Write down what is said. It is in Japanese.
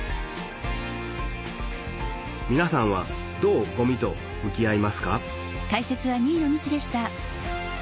みなさんはどうごみと向き合いますか？